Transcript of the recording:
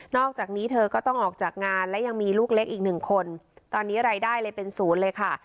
อกจากนี้เธอก็ต้องออกจากงานและยังมีลูกเล็กอีกหนึ่งคนตอนนี้รายได้เลยเป็นศูนย์เลยค่ะ